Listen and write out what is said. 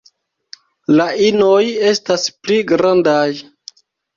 La inoj estas pli grandaj.